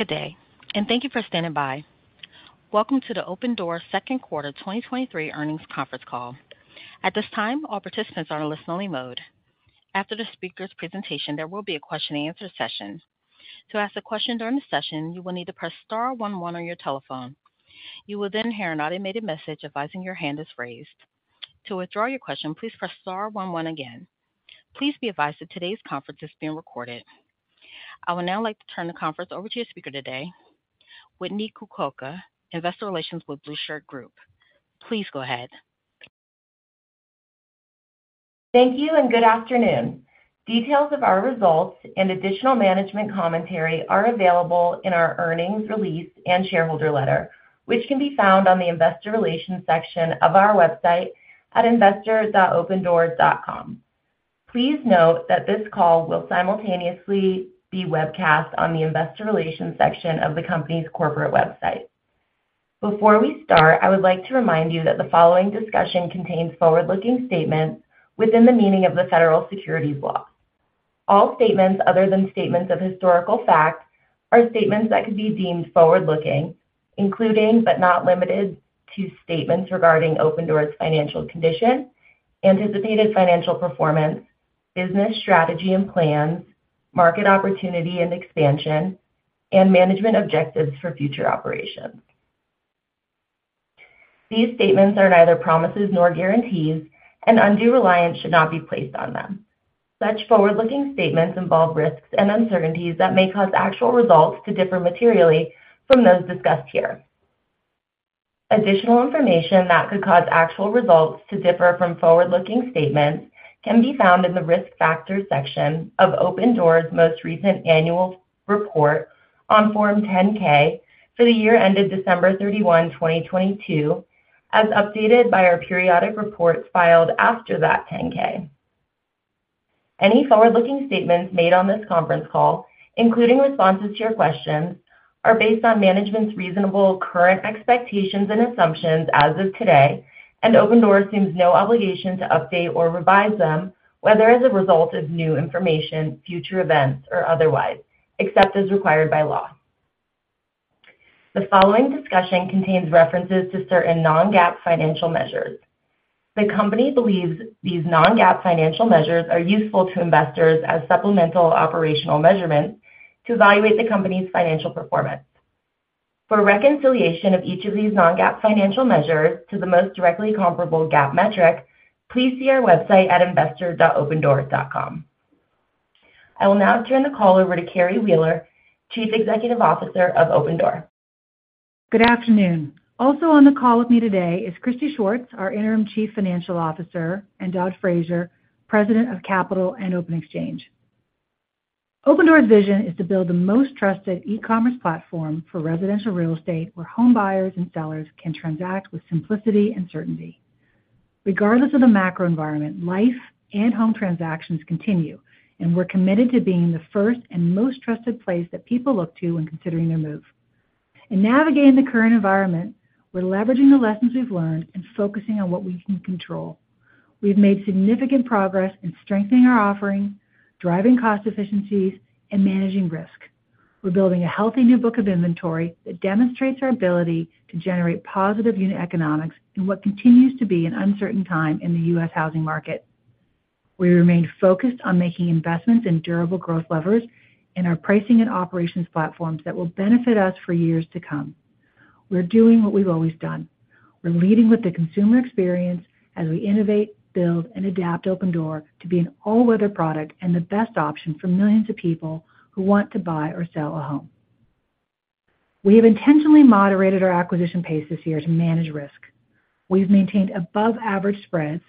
Good day, and thank you for standing by. Welcome to the Opendoor Second Quarter 2023 Earnings Conference Call. At this time, all participants are in listen-only mode. After the speaker's presentation, there will be a question-and-answer session. To ask a question during the session, you will need to press star one one on your telephone. You will then hear an automated message advising your hand is raised. To withdraw your question, please press star one one again. Please be advised that today's conference is being recorded. I would now like to turn the conference over to your speaker today, Whitney Kukulka, Investor Relations with The Blueshirt Group. Please go ahead. Thank you, and good afternoon. Details of our results and additional management commentary are available in our earnings release and shareholder letter, which can be found on the Investor Relations section of our website at investor.opendoor.com. Please note that this call will simultaneously be webcast on the investor relations section of the company's corporate website. Before we start, I would like to remind you that the following discussion contains forward-looking statements within the meaning of the federal securities law. All statements other than statements of historical fact are statements that could be deemed forward-looking, including, but not limited to, statements regarding Opendoor's financial condition, anticipated financial performance, business strategy and plans, market opportunity and expansion, and management objectives for future operations. These statements are neither promises nor guarantees, and undue reliance should not be placed on them. Such forward-looking statements involve risks and uncertainties that may cause actual results to differ materially from those discussed here. Additional information that could cause actual results to differ from forward-looking statements can be found in the Risk Factors section of Opendoor's most recent annual report on Form 10-K for the year ended December 31, 2022, as updated by our periodic reports filed after that 10-K. Any forward-looking statements made on this conference call, including responses to your questions, are based on management's reasonable current expectations and assumptions as of today, and Opendoor assumes no obligation to update or revise them, whether as a result of new information, future events, or otherwise, except as required by law. The following discussion contains references to certain non-GAAP financial measures. The company believes these non-GAAP financial measures are useful to investors as supplemental operational measurements to evaluate the company's financial performance. For a reconciliation of each of these non-GAAP financial measures to the most directly comparable GAAP metric, please see our website at investor.opendoor.com. I will now turn the call over to Carrie Wheeler, Chief Executive Officer of Opendoor. Good afternoon. Also on the call with me today is Christy Schwartz, our Interim Chief Financial Officer, and Dod Fraser, President of Capital and Open Exchange. Opendoor's vision is to build the most trusted e-commerce platform for residential real estate, where home buyers and sellers can transact with simplicity and certainty. Regardless of the macro environment, life and home transactions continue, and we're committed to being the first and most trusted place that people look to when considering their move. In navigating the current environment, we're leveraging the lessons we've learned and focusing on what we can control. We've made significant progress in strengthening our offering, driving cost efficiencies, and managing risk. We're building a healthy new book of inventory that demonstrates our ability to generate positive unit economics in what continues to be an uncertain time in the U.S. housing market. We remain focused on making investments in durable growth levers in our pricing and operations platforms that will benefit us for years to come. We're doing what we've always done. We're leading with the consumer experience as we innovate, build, and adapt Opendoor to be an all-weather product and the best option for millions of people who want to buy or sell a home. We have intentionally moderated our acquisition pace this year to manage risk. We've maintained above-average spreads,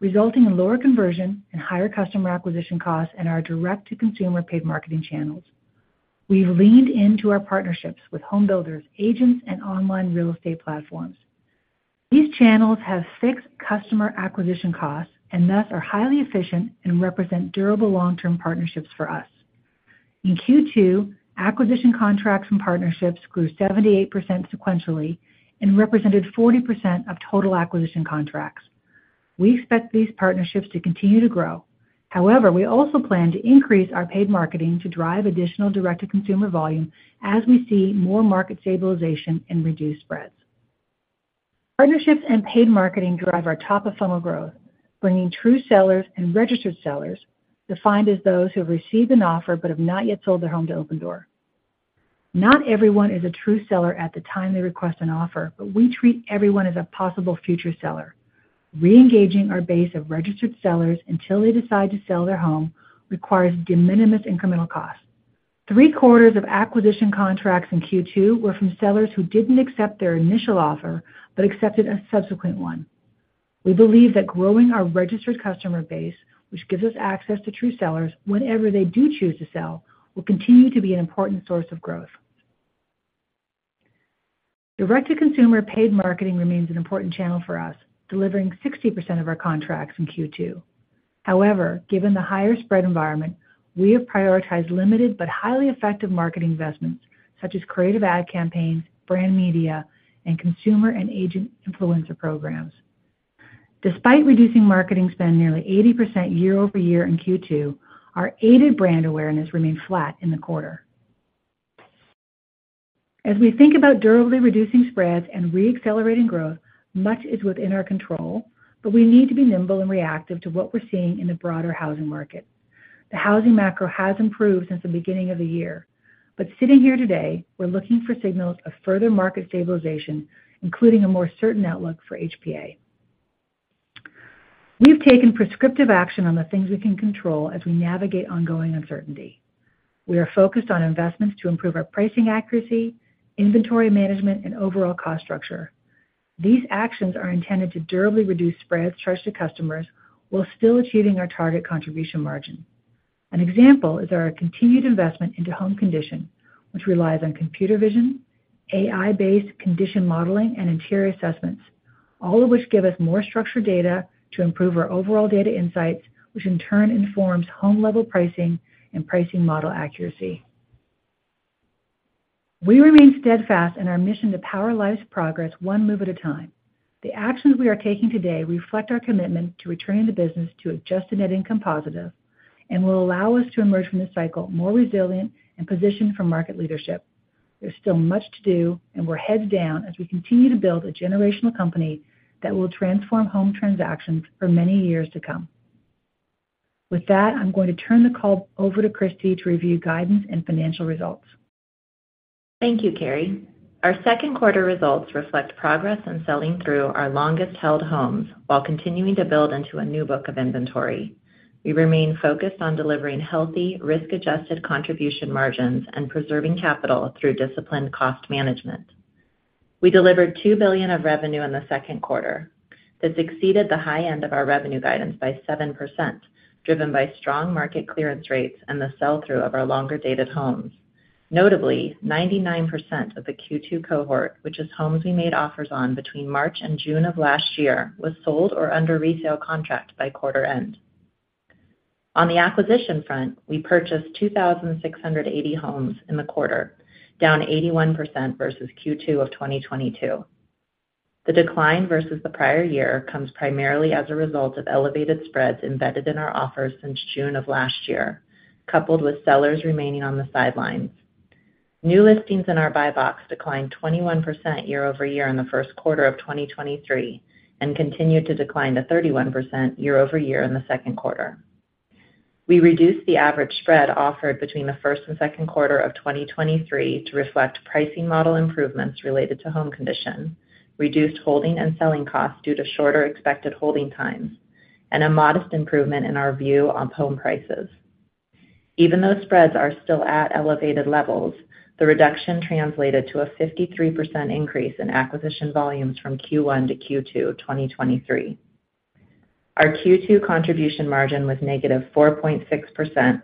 resulting in lower conversion and higher customer acquisition costs in our direct-to-consumer paid marketing channels. We've leaned into our partnerships with home builders, agents, and online real estate platforms. These channels have fixed customer acquisition costs and thus are highly efficient and represent durable long-term partnerships for us. In Q2, acquisition contracts and partnerships grew 78% sequentially and represented 40% of total acquisition contracts. We expect these partnerships to continue to grow. However, we also plan to increase our paid marketing to drive additional direct-to-consumer volume as we see more market stabilization and reduced spreads. Partnerships and paid marketing drive our top-of-funnel growth, bringing true sellers and registered sellers, defined as those who have received an offer but have not yet sold their home to Opendoor. Not everyone is a true seller at the time they request an offer, but we treat everyone as a possible future seller. Reengaging our base of registered sellers until they decide to sell their home requires de minimis incremental costs. Three-quarters of acquisition contracts in Q2 were from sellers who didn't accept their initial offer but accepted a subsequent one. We believe that growing our registered customer base, which gives us access to true sellers whenever they do choose to sell, will continue to be an important source of growth. Direct-to-consumer paid marketing remains an important channel for us, delivering 60% of our contracts in Q2. However, given the higher spread environment, we have prioritized limited but highly effective marketing investments such as creative ad campaigns, brand media, and consumer and agent influencer programs.... Despite reducing marketing spend nearly 80% year-over-year in Q2, our aided brand awareness remained flat in the quarter. As we think about durably reducing spreads and reaccelerating growth, much is within our control, but we need to be nimble and reactive to what we're seeing in the broader housing market. The housing macro has improved since the beginning of the year, but sitting here today, we're looking for signals of further market stabilization, including a more certain outlook for HPA. We've taken prescriptive action on the things we can control as we navigate ongoing uncertainty. We are focused on investments to improve our pricing accuracy, inventory management, and overall cost structure. These actions are intended to durably reduce spreads charged to customers while still achieving our target contribution margin. An example is our continued investment into home condition, which relies on computer vision, AI-based condition modeling, and interior assessments, all of which give us more structured data to improve our overall data insights, which in turn informs home-level pricing and pricing model accuracy. We remain steadfast in our mission to power life's progress one move at a time. The actions we are taking today reflect our commitment to returning the business to adjusted net income positive and will allow us to emerge from this cycle more resilient and positioned for market leadership. There's still much to do, and we're heads down as we continue to build a generational company that will transform home transactions for many years to come. With that, I'm going to turn the call over to Christy to review guidance and financial results. Thank you, Carrie. Our second quarter results reflect progress in selling through our longest-held homes while continuing to build into a new book of inventory. We remain focused on delivering healthy, risk-adjusted contribution margins and preserving capital through disciplined cost management. We delivered $2 billion of revenue in the second quarter. This exceeded the high end of our revenue guidance by 7%, driven by strong market clearance rates and the sell-through of our longer-dated homes. Notably, 99% of the Q2 cohort, which is homes we made offers on between March and June of last year, was sold or under resale contract by quarter end. On the acquisition front, we purchased 2,680 homes in the quarter, down 81% versus Q2 of 2022. The decline versus the prior year comes primarily as a result of elevated spreads embedded in our offers since June of last year, coupled with sellers remaining on the sidelines. New listings in our buy box declined 21% year-over-year in the first quarter of 2023, and continued to decline to 31% year-over-year in the second quarter. We reduced the average spread offered between the first and second quarter of 2023 to reflect pricing model improvements related to home condition, reduced holding and selling costs due to shorter expected holding times, and a modest improvement in our view on home prices. Even though spreads are still at elevated levels, the reduction translated to a 53% increase in acquisition volumes from Q1 to Q2 of 2023. Our Q2 contribution margin was -4.6%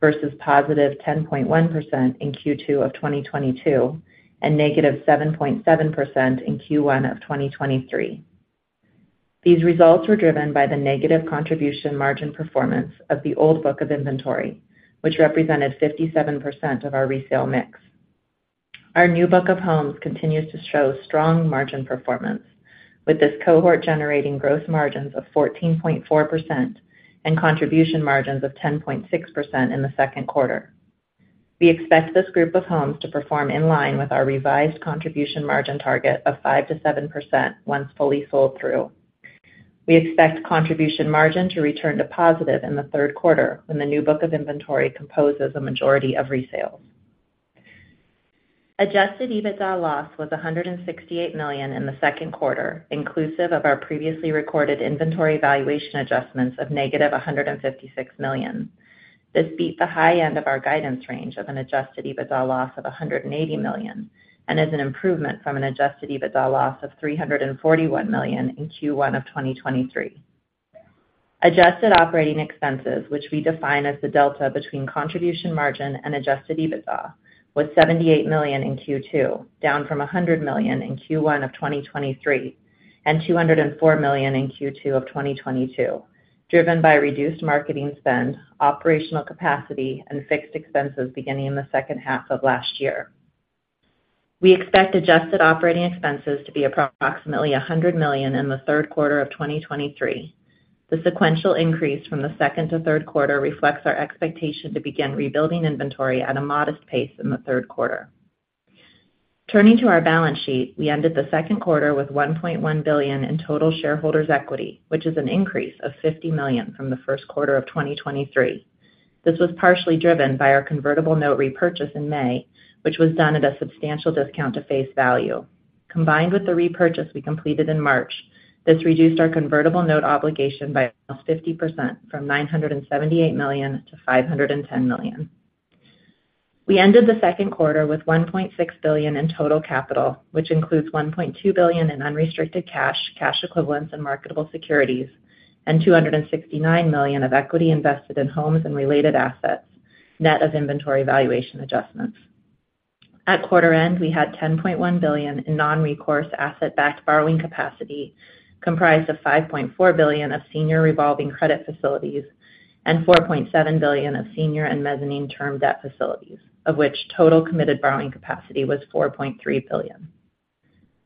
versus positive 10.1% in Q2 of 2022, and -7.7% in Q1 of 2023. These results were driven by the negative contribution margin performance of the old book of inventory, which represented 57% of our resale mix. Our new book of homes continues to show strong margin performance, with this cohort generating gross margins of 14.4% and contribution margins of 10.6% in the second quarter. We expect this group of homes to perform in line with our revised contribution margin target of 5%-7% once fully sold through. We expect contribution margin to return to positive in the third quarter when the new book of inventory composes a majority of resales. Adjusted EBITDA loss was $168 million in the second quarter, inclusive of our previously recorded inventory valuation adjustments of $-156 million. This beat the high end of our guidance range of an adjusted EBITDA loss of $180 million, is an improvement from an adjusted EBITDA loss of $341 million in Q1 of 2023. Adjusted operating expenses, which we define as the delta between contribution margin and adjusted EBITDA, was $78 million in Q2, down from $100 million in Q1 of 2023, and $204 million in Q2 of 2022, driven by reduced marketing spend, operational capacity, and fixed expenses beginning in the second half of last year. We expect adjusted operating expenses to be approximately $100 million in the third quarter of 2023. The sequential increase from the second to third quarter reflects our expectation to begin rebuilding inventory at a modest pace in the third quarter. Turning to our balance sheet, we ended the second quarter with $1.1 billion in total shareholders' equity, which is an increase of $50 million from the first quarter of 2023. This was partially driven by our convertible note repurchase in May, which was done at a substantial discount to face value. Combined with the repurchase we completed in March, this reduced our convertible note obligation by 50%, from $978 million-$510 million. We ended the second quarter with $1.6 billion in total capital, which includes $1.2 billion in unrestricted cash, cash equivalents, and marketable securities, and $269 million of equity invested in homes and related assets, net of inventory valuation adjustments. At quarter end, we had $10.1 billion in non-recourse asset-backed borrowing capacity, comprised of $5.4 billion of senior revolving credit facilities and $4.7 billion of senior and mezzanine term debt facilities, of which total committed borrowing capacity was $4.3 billion.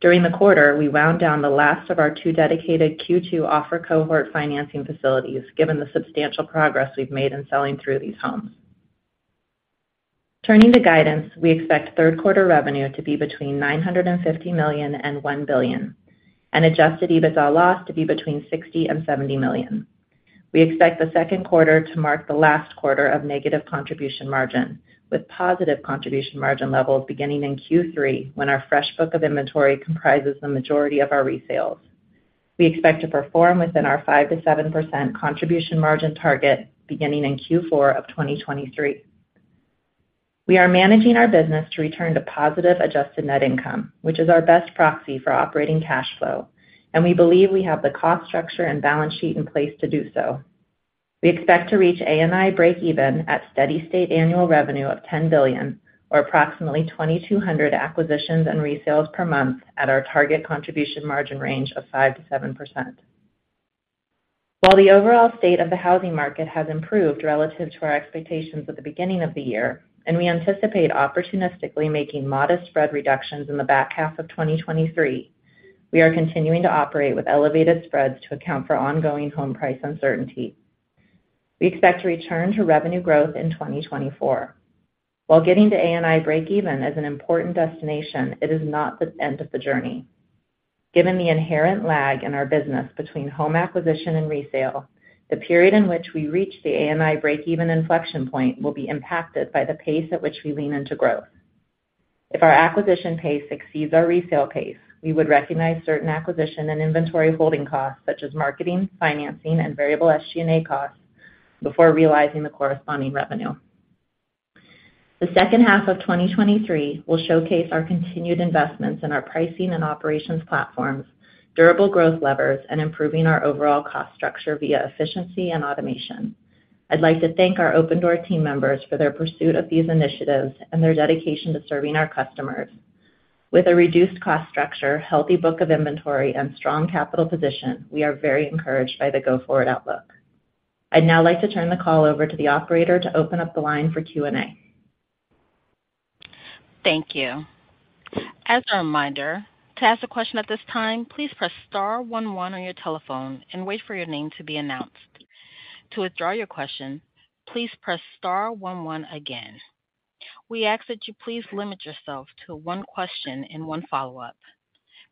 During the quarter, we wound down the last of our two dedicated Q2 offer cohort financing facilities, given the substantial progress we've made in selling through these homes. Turning to guidance, we expect third quarter revenue to be between $950 million and $1 billion, and adjusted EBITDA loss to be between $60 million and $70 million. We expect the second quarter to mark the last quarter of negative contribution margin, with positive contribution margin levels beginning in Q3, when our fresh book of inventory comprises the majority of our resales. We expect to perform within our 5%-7% contribution margin target beginning in Q4 of 2023. We are managing our business to return to positive adjusted net income, which is our best proxy for operating cash flow, and we believe we have the cost structure and balance sheet in place to do so. We expect to reach ANI breakeven at steady-state annual revenue of $10 billion, or approximately 2,200 acquisitions and resales per month at our target contribution margin range of 5%-7%. While the overall state of the housing market has improved relative to our expectations at the beginning of the year, and we anticipate opportunistically making modest spread reductions in the back half of 2023, we are continuing to operate with elevated spreads to account for ongoing home price uncertainty. We expect to return to revenue growth in 2024. While getting to ANI breakeven is an important destination, it is not the end of the journey. Given the inherent lag in our business between home acquisition and resale, the period in which we reach the ANI breakeven inflection point will be impacted by the pace at which we lean into growth. If our acquisition pace exceeds our resale pace, we would recognize certain acquisition and inventory holding costs, such as marketing, financing, and variable SG&A costs, before realizing the corresponding revenue. The second half of 2023 will showcase our continued investments in our pricing and operations platforms, durable growth levers, and improving our overall cost structure via efficiency and automation. I'd like to thank our Opendoor team members for their pursuit of these initiatives and their dedication to serving our customers. With a reduced cost structure, healthy book of inventory, and strong capital position, we are very encouraged by the go-forward outlook. I'd now like to turn the call over to the operator to open up the line for Q&A. Thank you. As a reminder, to ask a question at this time, please press star one one on your telephone and wait for your name to be announced. To withdraw your question, please press star one one again. We ask that you please limit yourself to one question and one follow-up.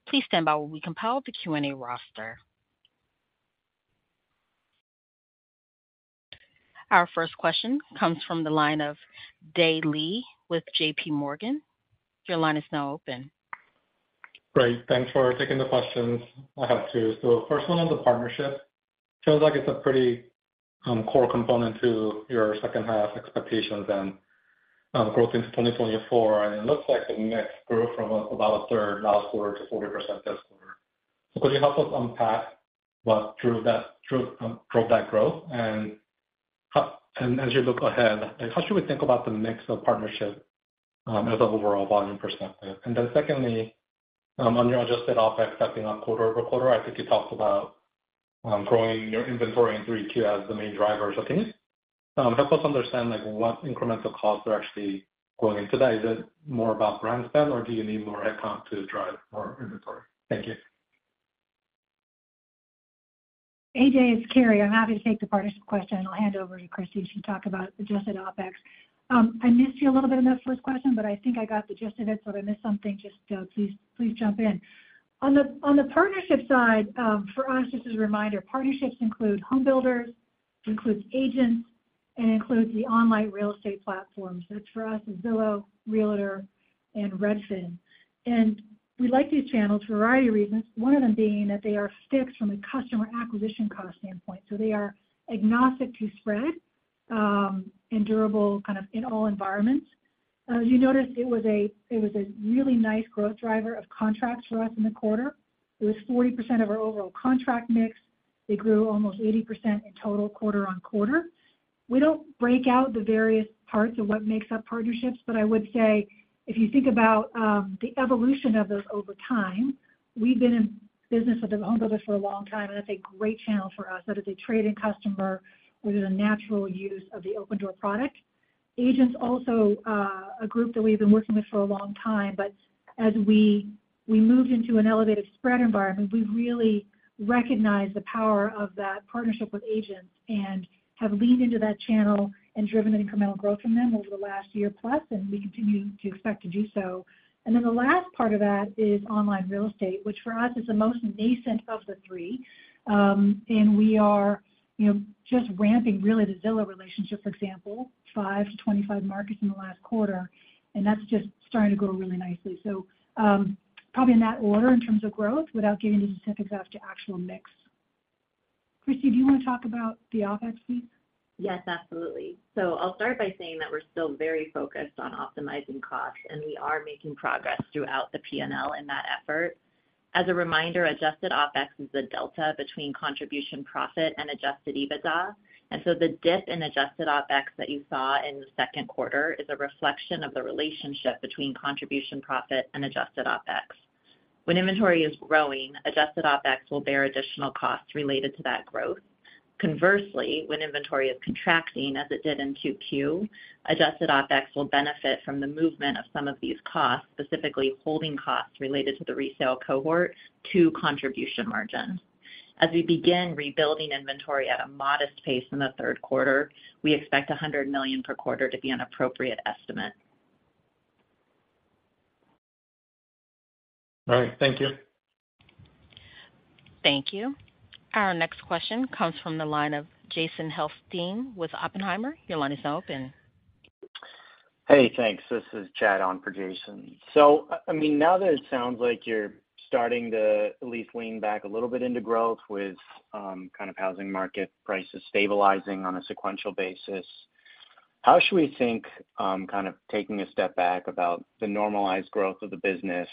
Please stand by while we compile the Q&A roster. Our first question comes from the line of Dae Lee with JPMorgan. Your line is now open. Great. Thanks for taking the questions. I have two. First one on the partnership. Sounds like it's a pretty core component to your second half expectations and growth into 2024, and it looks like the mix grew from about 1/3 last quarter to 40% this quarter. Could you help us unpack what drove that, drove that growth? How-- and as you look ahead, like, how should we think about the mix of partnership as an overall volume perspective? Secondly, on your adjusted OpEx stepping on quarter-over-quarter, I think you talked about growing your inventory in 3Q as the main driver. Can you help us understand, like, what incremental costs are actually going into that? Is it more about brand spend, or do you need more head count to drive more inventory? Thank you. Hey, Dae, it's Carrie. I'm happy to take the partnership question. I'll hand over to Christy. She can talk about adjusted OpEx. I missed you a little bit on that first question. I think I got the gist of it. If I missed something, just please, please jump in. On the partnership side, for us, just as a reminder, partnerships include home builders, includes agents, and includes the online real estate platforms. For us, it's Zillow, Realtor.com, and Redfin. We like these channels for a variety of reasons, one of them being that they are fixed from a customer acquisition cost standpoint. They are agnostic to spread and durable kind of in all environments. As you noticed, it was a really nice growth driver of contracts for us in the quarter. It was 40% of our overall contract mix. They grew almost 80% in total quarter-over-quarter. We don't break out the various parts of what makes up partnerships, but I would say if you think about the evolution of those over time, we've been in business with the home builders for a long time. That's a great channel for us. That is a trade-in customer, which is a natural use of the Opendoor product. Agents, also, a group that we've been working with for a long time, but as we, we moved into an elevated spread environment, we've really recognized the power of that partnership with agents and have leaned into that channel and driven the incremental growth from them over the last year plus. We continue to expect to do so. Then the last part of that is online real estate, which for us is the most nascent of the three. We are, you know, just ramping really the Zillow relationship, for example, five to 25 markets in the last quarter, and that's just starting to grow really nicely. Probably in that order in terms of growth, without getting into specifics as to actual mix. Christy, do you want to talk about the OpEx piece? Yes, absolutely. I'll start by saying that we're still very focused on optimizing costs, and we are making progress throughout the P&L in that effort. As a reminder, adjusted OpEx is the delta between contribution, profit, and adjusted EBITDA, and so the dip in adjusted OpEx that you saw in the second quarter is a reflection of the relationship between contribution, profit, and adjusted OpEx. When inventory is growing, adjusted OpEx will bear additional costs related to that growth. Conversely, when inventory is contracting, as it did in Q2, adjusted OpEx will benefit from the movement of some of these costs, specifically holding costs related to the resale cohort to contribution margin. As we begin rebuilding inventory at a modest pace in the third quarter, we expect $100 million per quarter to be an appropriate estimate. All right. Thank you. Thank you. Our next question comes from the line of Jason Helfstein with Oppenheimer. Your line is now open. Hey, thanks. This is Chad on for Jason. I, I mean, now that it sounds like you're starting to at least lean back a little bit into growth with, kind of housing market prices stabilizing on a sequential basis, how should we think, kind of taking a step back about the normalized growth of the business,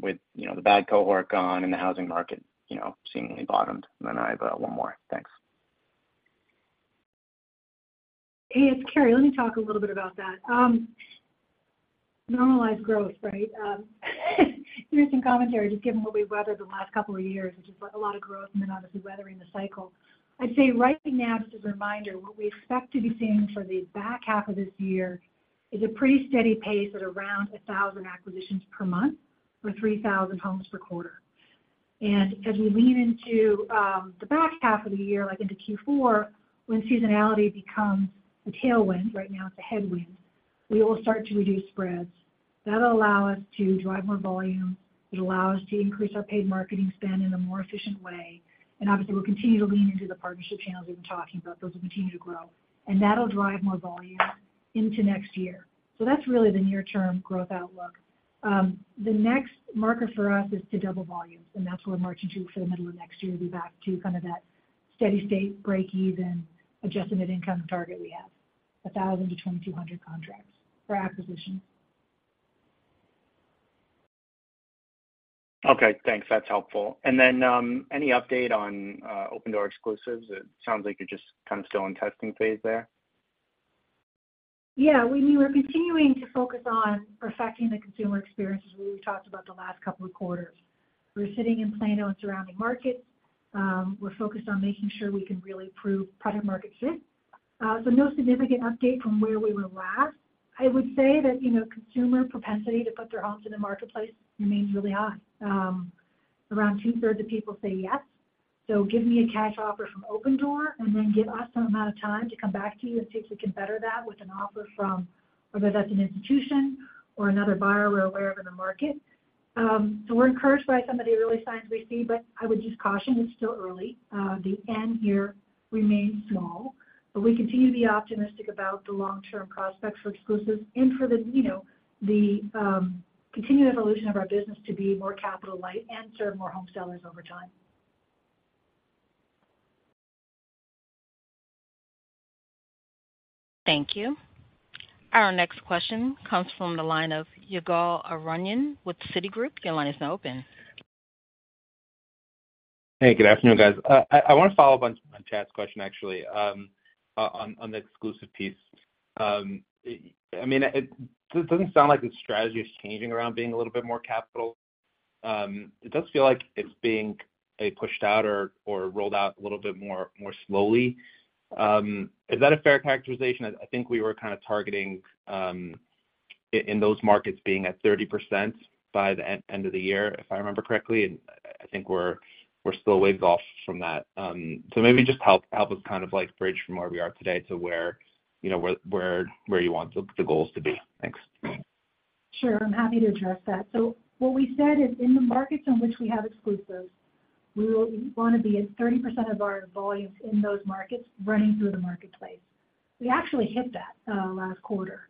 with, you know, the bad cohort gone and the housing market, you know, seemingly bottomed? I have one more. Thanks. Hey, it's Carrie. Let me talk a little bit about that. Normalized growth, right? Interesting commentary, just given what we've weathered the last couple of years, which is a lot of growth and then obviously weathering the cycle. I'd say right now, just as a reminder, what we expect to be seeing for the back half of this year is a pretty steady pace at around 1,000 acquisitions per month or 3,000 homes per quarter. As we lean into the back half of the year, like into Q4, when seasonality becomes a tailwind, right now it's a headwind, we will start to reduce spreads. That'll allow us to drive more volume. It'll allow us to increase our paid marketing spend in a more efficient way, and obviously, we'll continue to lean into the partnership channels we've been talking about. Those will continue to grow, and that'll drive more volume into next year. That's really the near term growth outlook. The next marker for us is to double volume, that's what we're marching to for the middle of next year, to be back to kind of that steady state, breakeven, adjusted net income target we have, 1,000-2,200 contracts for acquisition. Okay, thanks. That's helpful. Then, any update on Opendoor Exclusives? It sounds like you're just kind of still in testing phase there. Yeah, we, we're continuing to focus on perfecting the consumer experience, as we've talked about the last couple of quarters. We're sitting in Plano and surrounding markets. We're focused on making sure we can really prove product market fit. No significant update from where we were last. I would say that, you know, consumer propensity to put their homes in the marketplace remains really high. Around 2/3 of people say yes. Give me a cash offer from Opendoor, and then give us some amount of time to come back to you and see if we can better that with an offer from whether that's an institution or another buyer we're aware of in the market. We're encouraged by some of the early signs we see, but I would just caution it's still early. The N here remains small, but we continue to be optimistic about the long-term prospects for Exclusives and for the, you know, the continued evolution of our business to be more capital light and serve more home sellers over time. Thank you. Our next question comes from the line of Ygal Arounian with Citigroup. Your line is now open. Hey, good afternoon, guys. I, I wanna follow up on Chad's question, actually, on the exclusive piece. I mean, it doesn't sound like the strategy is changing around being a little bit more capital. It does feel like it's being, a pushed out or, or rolled out a little bit more, more slowly. Is that a fair characterization? I, I think we were kind of targeting, in those markets being at 30% by the end, end of the year, if I remember correctly, and I think we're, we're still ways off from that. Maybe just help, help us kind of like bridge from where we are today to where, you know, where, where, where you want the, the goals to be. Thanks. Sure, I'm happy to address that. What we said is, in the markets in which we have exclusives, we will wanna be at 30% of our volumes in those markets running through the marketplace. We actually hit that last quarter.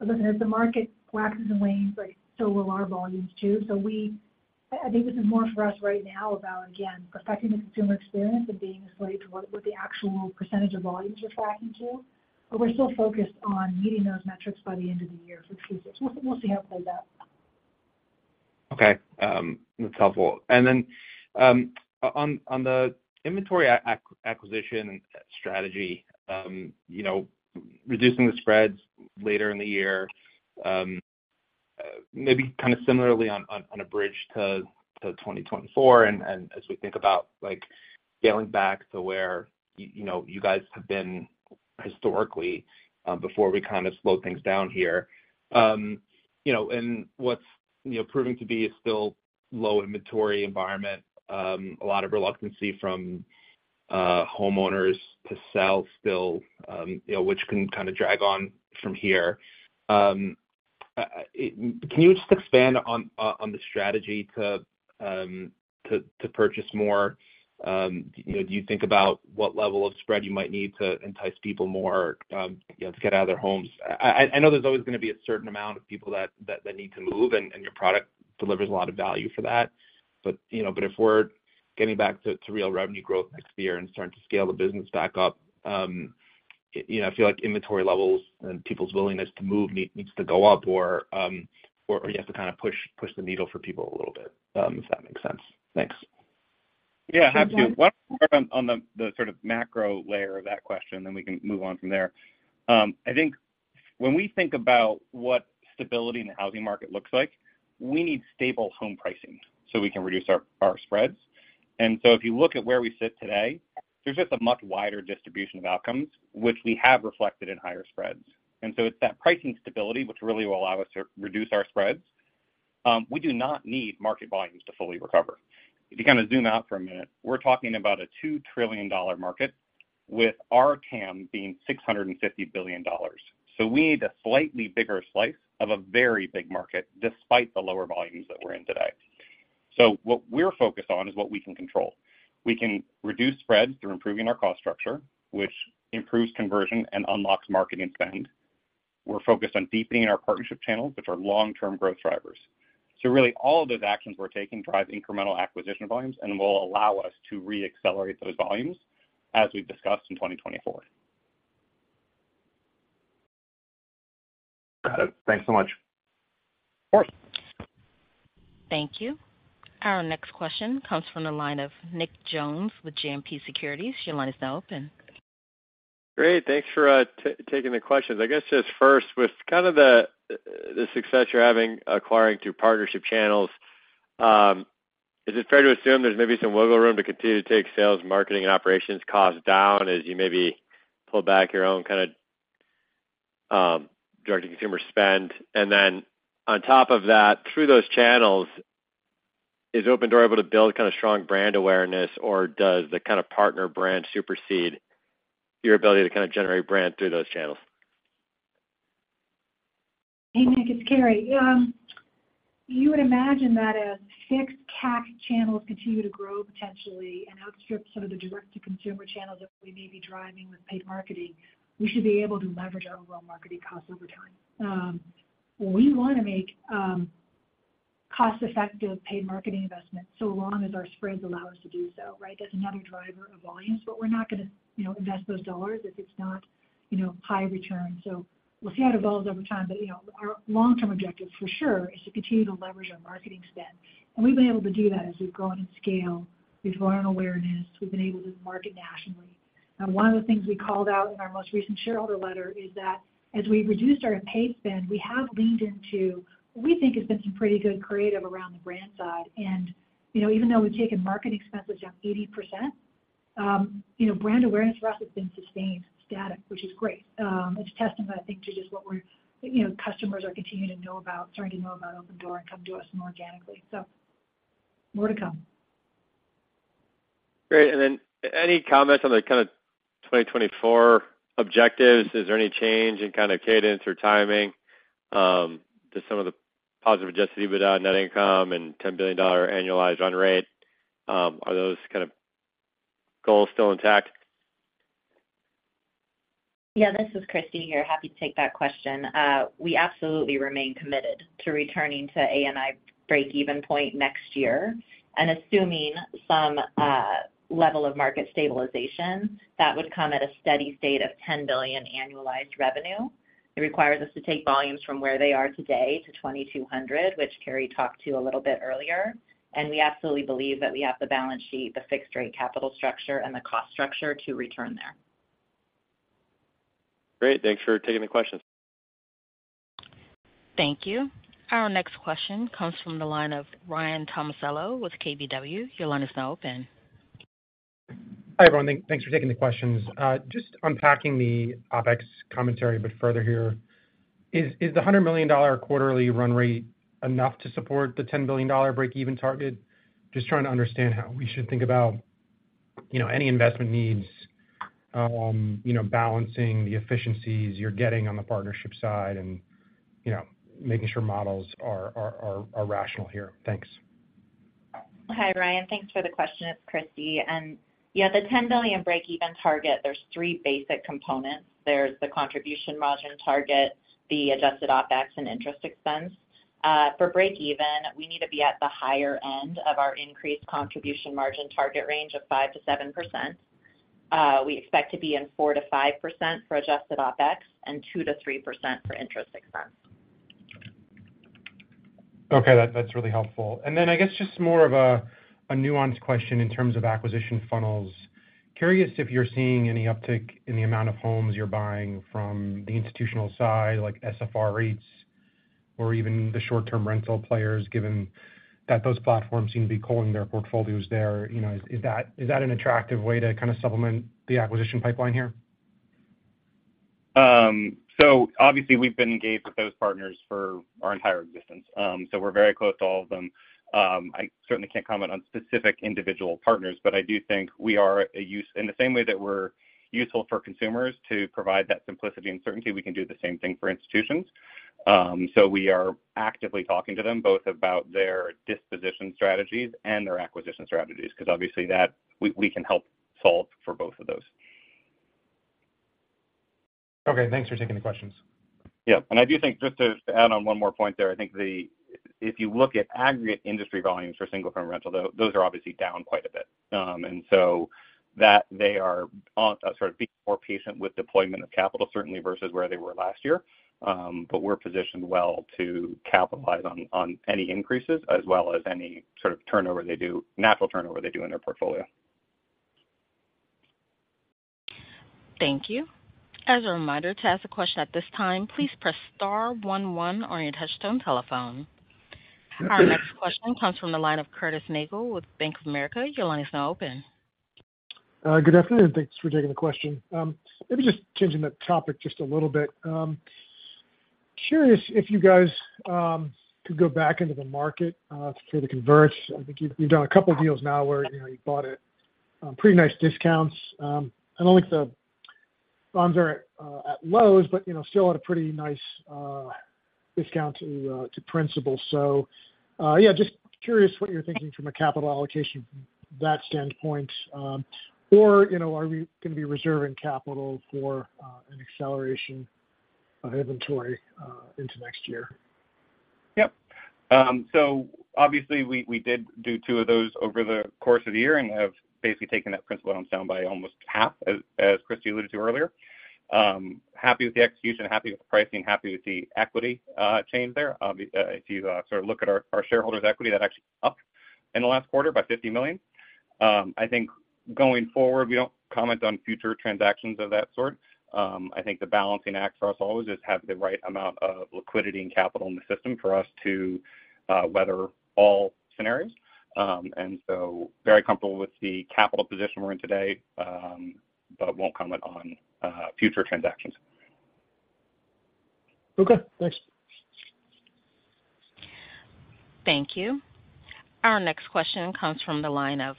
Listen, as the market waxes and wanes, like, so will our volumes too. I, I think this is more for us right now about, again, perfecting the consumer experience and being a slave to what, what the actual percentage of volumes are tracking to. We're still focused on meeting those metrics by the end of the year for exclusives. We'll, we'll see how it plays out. Okay, that's helpful. Then, on, on the inventory acquisition strategy, you know, reducing the spreads later in the year, maybe kind of similarly on, on, on a bridge to 2024, and as we think about, like, scaling back to where you know, you guys have been historically, before we kind of slowed things down here. You know, what's, you know, proving to be a still low inventory environment, a lot of reluctancy from homeowners to sell still, you know, which can kind of drag on from here. Can you just expand on, on the strategy to, to, to purchase more? You know, do you think about what level of spread you might need to entice people more, you know, to get out of their homes? I, I, I know there's always gonna be a certain amount of people that, that, that need to move, and, and your product delivers a lot of value for that. You know, but if we're getting back to, to real revenue growth next year and starting to scale the business back up, you know, I feel like inventory levels and people's willingness to move needs to go up or, or, or you have to kind of push, push the needle for people a little bit, if that makes sense? Thanks. Yeah, happy to. One more on, on the, the sort of macro layer of that question, then we can move on from there. When we think about what stability in the housing market looks like, we need stable home pricing so we can reduce our spreads. If you look at where we sit today, there's just a much wider distribution of outcomes, which we have reflected in higher spreads. It's that pricing stability, which really will allow us to reduce our spreads. We do not need market volumes to fully recover. If you kind of zoom out for a minute, we're talking about a $2 trillion market with our TAM being $650 billion. We need a slightly bigger slice of a very big market despite the lower volumes that we're in today. What we're focused on is what we can control. We can reduce spreads through improving our cost structure, which improves conversion and unlocks marketing spend. We're focused on deepening our partnership channels, which are long-term growth drivers. Really, all of those actions we're taking drive incremental acquisition volumes and will allow us to reaccelerate those volumes as we've discussed in 2024. Got it. Thanks so much. Sure. Thank you. Our next question comes from the line of Nick Jones with JMP Securities. Your line is now open. Great. Thanks for taking the questions. I guess just first, with kind of the, the success you're having acquiring through partnership channels, is it fair to assume there's maybe some wiggle room to continue to take sales, marketing, and operations costs down as you maybe pull back your own kind of direct-to-consumer spend? Then on top of that, through those channels, is Opendoor able to build kind of strong brand awareness, or does the kind of partner brand supersede your ability to kind of generate brand through those channels? Hey, Nick, it's Carrie. You would imagine that as fixed CAC channels continue to grow potentially and outstrip some of the direct-to-consumer channels that we may be driving with paid marketing, we should be able to leverage our overall marketing costs over time. We want to make, cost-effective paid marketing investments, so long as our spreads allow us to do so, right? That's another driver of volumes. We're not going to, you know, invest those dollars if it's not, you know, high return. We'll see how it evolves over time. You know, our long-term objective, for sure, is to continue to leverage our marketing spend. We've been able to do that as we've grown in scale, we've grown in awareness, we've been able to market nationally. One of the things we called out in our most recent shareholder letter is that as we've reduced our paid spend, we have leaned into what we think has been some pretty good creative around the brand side. You know, even though we've taken marketing expenses down 80%, you know, brand awareness for us has been sustained, static, which is great. It's a testament, I think, to just what we're-- you know, customers are continuing to know about-- starting to know about Opendoor and come to us more organically. More to come. Great. Then any comments on the kind of 2024 objectives? Is there any change in kind of cadence or timing to some of the positive adjusted EBITDA net income and $10 billion annualized run rate? Are those kind of goals still intact? Yeah, this is Christy here. Happy to take that question. We absolutely remain committed to returning to ANI breakeven point next year. Assuming some level of market stabilization, that would come at a steady state of $10 billion annualized revenue. It requires us to take volumes from where they are today to 2,200, which Carrie talked to a little bit earlier, and we absolutely believe that we have the balance sheet, the fixed-rate capital structure, and the cost structure to return there. Great. Thanks for taking the question. Thank you. Our next question comes from the line of Ryan Tomasello with KBW. Your line is now open. Hi, everyone. Thank, thanks for taking the questions. just unpacking the OpEx commentary a bit further here. Is, is the $100 million quarterly run rate enough to support the $10 billion breakeven target? Just trying to understand how we should think about, you know, any investment needs, you know, balancing the efficiencies you're getting on the partnership side and, you know, making sure models are, are, are, are rational here. Thanks. Hi, Ryan. Thanks for the question. It's Christy. Yeah, the $10 billion breakeven target, there's three basic components. There's the contribution margin target, the adjusted OpEx, and interest expense. For breakeven, we need to be at the higher end of our increased contribution margin target range of 5%-7%. We expect to be in 4%-5% for adjusted OpEx and 2%-3% for interest expense. Okay, that, that's really helpful. I guess just more of a, a nuanced question in terms of acquisition funnels. Curious if you're seeing any uptick in the amount of homes you're buying from the institutional side, like SFR rates or even the short-term rental players, given that those platforms seem to be culling their portfolios there. You know, is, is that, is that an attractive way to kind of supplement the acquisition pipeline here? Obviously, we've been engaged with those partners for our entire existence, so we're very close to all of them. I certainly can't comment on specific individual partners, but I do think we are in the same way that we're useful for consumers to provide that simplicity and certainty, we can do the same thing for institutions. We are actively talking to them both about their disposition strategies and their acquisition strategies, because obviously we, we can help solve for both of those. Okay, thanks for taking the questions. Yeah, I do think, just to add on one more point there, I think if you look at aggregate industry volumes for single-family rental, those are obviously down quite a bit. So that they are, sort of, being more patient with deployment of capital, certainly versus where they were last year. We're positioned well to capitalize on, on any increases, as well as any sort of turnover they do, natural turnover they do in their portfolio. Thank you. As a reminder, to ask a question at this time, please press star one one on your touchtone telephone. Our next question comes from the line of Curtis Nagle with Bank of America. Your line is now open. Good afternoon, thanks for taking the question. Maybe just changing the topic just a little bit. Curious if you guys could go back into the market to pay the converts. I think you've, you've done a couple of deals now where, you know, you bought it pretty nice discounts. I don't think the bonds are at lows, you know, still at a pretty nice discount to principal. Yeah, just curious what you're thinking from a capital allocation from that standpoint. You know, are we going to be reserving capital for an acceleration of inventory into next year? Yep. Obviously we, we did do two of those over the course of the year and have basically taken that principal on down by almost half, as Christy alluded to earlier. Happy with the execution, happy with the pricing, happy with the equity change there. If you sort of look at our shareholders' equity, that actually up in the last quarter by $50 million. I think going forward, we don't comment on future transactions of that sort. I think the balancing act for us always is have the right amount of liquidity and capital in the system for us to weather all scenarios. Very comfortable with the capital position we're in today. Won't comment on future transactions. Okay, thanks. Thank you. Our next question comes from the line of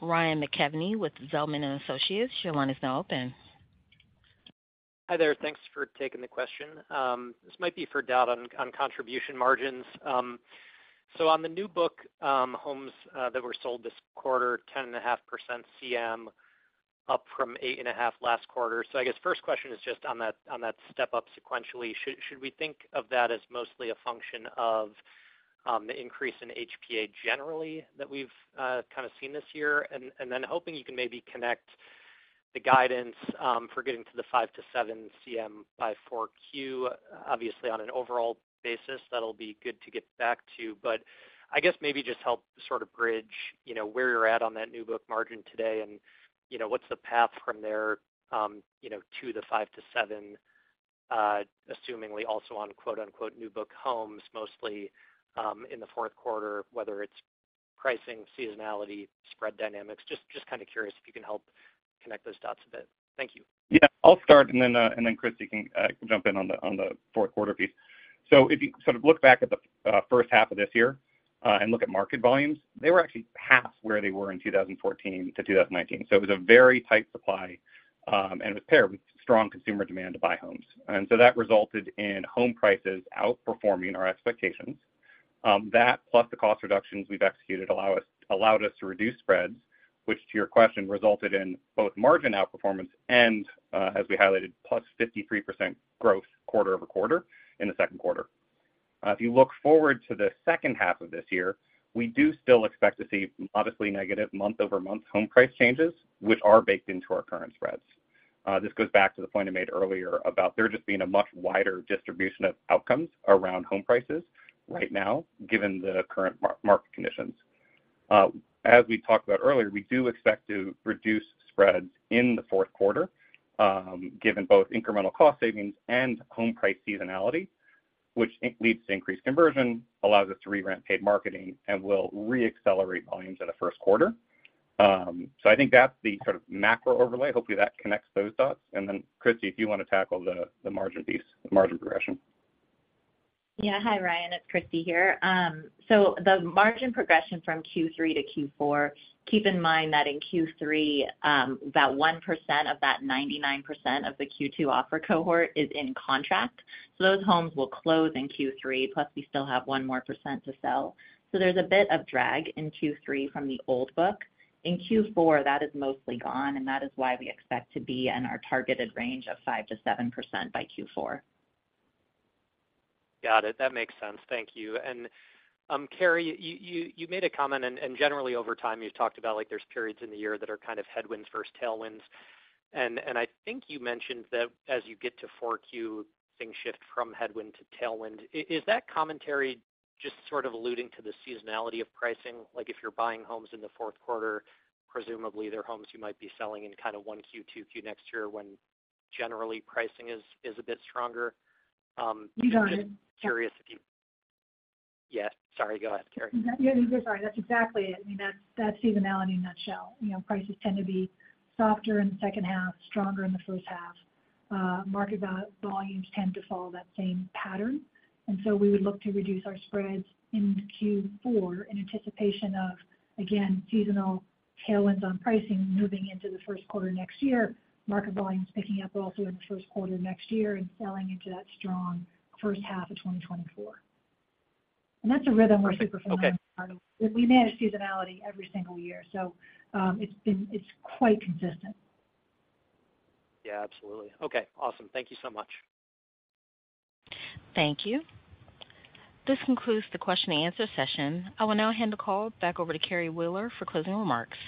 Ryan McKeveny with Zelman & Associates. Your line is now open. Hi there, thanks for taking the question. This might be for Dod on contribution margins. On the new book homes that were sold this quarter, 10.5% CM, up from 8.5% last quarter. I guess first question is just on that, on that step up sequentially. Should we think of that as mostly a function of the increase in HPA generally that we've kind of seen this year? Then hoping you can maybe connect the guidance for getting to the 5%-7% CM by 4Q. Obviously, on an overall basis, that'll be good to get back to. I guess maybe just help sort of bridge, you know, where you're at on that new book margin today, and, you know, what's the path from there, you know, to the 5%-7%, assumingly also on quote, unquote, "new book homes," mostly, in the fourth quarter, whether it's pricing, seasonality, spread dynamics. Just, just kind of curious if you can help connect those dots a bit. Thank you. Yeah, I'll start, then, and then, Christy, you can jump in on the, on the fourth quarter piece. If you sort of look back at the first half of this year, and look at market volumes, they were actually half where they were in 2014-2019. It was a very tight supply, and with pair, strong consumer demand to buy homes. That resulted in home prices outperforming our expectations. That, plus the cost reductions we've executed, allowed us to reduce spreads, which, to your question, resulted in both margin outperformance and, as we highlighted, +53% growth quarter-over-quarter in the second quarter. If you look forward to the second half of this year, we do still expect to see obviously negative month-over-month home price changes, which are baked into our current spreads. This goes back to the point I made earlier about there just being a much wider distribution of outcomes around home prices right now, given the current market conditions. As we talked about earlier, we do expect to reduce spreads in the fourth quarter, given both incremental cost savings and home price seasonality, which leads to increased conversion, allows us to re-ramp paid marketing and will re-accelerate volumes at a first quarter. I think that's the sort of macro-overlay. Hopefully, that connects those dots. Christy, if you want to tackle the margin piece, the margin progression. Yeah. Hi, Ryan. It's Christy here. The margin progression from Q3 to Q4, keep in mind that in Q3, about 1% of that 99% of the Q2 offer cohort is in contract, so those homes will close in Q3, plus we still have 1% more to sell. There's a bit of drag in Q3 from the old book. In Q4, that is mostly gone, and that is why we expect to be in our targeted range of 5%-7% by Q4. Got it. That makes sense. Thank you. Carrie, you made a comment, and generally over time, you've talked about, like, there's periods in the year that are kind of headwinds versus tailwinds. I think you mentioned that as you get to 4Q, things shift from headwind to tailwind. Is that commentary just sort of alluding to the seasonality of pricing? Like, if you're buying homes in the fourth quarter, presumably they're homes you might be selling in kind of 1Q, 2Q next year, when generally pricing is, is a bit stronger. You got it. Curious if you... Yeah, sorry, go ahead, Carrie. Yeah, you go. Sorry. That's exactly it. I mean, that's, that's seasonality in a nutshell. You know, prices tend to be softer in the second half, stronger in the first half. Market volumes tend to follow that same pattern. So we would look to reduce our spreads into Q4 in anticipation of, again, seasonal tailwinds on pricing moving into the first quarter next year, market volumes picking up also in the first quarter next year and selling into that strong first half of 2024. That's a rhythm we're super familiar with. Okay. We manage seasonality every single year, so it's quite consistent. Yeah, absolutely. Okay, awesome. Thank you so much. Thank you. This concludes the question-and-answer session. I will now hand the call back over to Carrie Wheeler for closing remarks.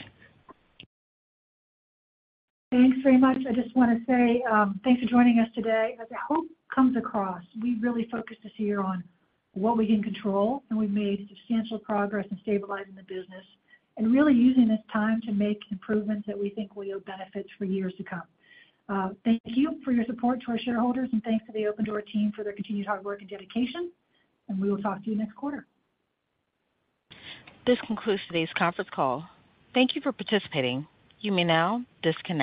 Thanks very much. I just want to say, thanks for joining us today. As I hope comes across, we really focused this year on what we can control, and we've made substantial progress in stabilizing the business and really using this time to make improvements that we think will yield benefits for years to come. Thank you for your support to our shareholders, and thanks to the Opendoor team for their continued hard work and dedication. We will talk to you next quarter. This concludes today's conference call. Thank you for participating. You may now disconnect.